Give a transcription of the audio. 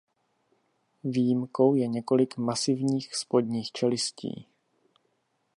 Výjimkou je několik masivních spodních čelistí.